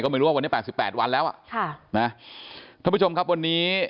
ไม่รู้ว่าวันนี้แปดสิบแปดวันแล้วอ่ะค่ะนะท่านผู้ชมครับวันนี้